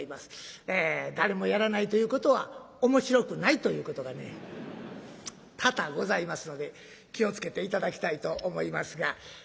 誰もやらないということは面白くないということがね多々ございますので気を付けて頂きたいと思いますが。